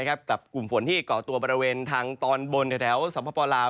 กับกลุ่มฝนที่เกาะตัวบริเวณทางตอนบนแถวสัมพปลาว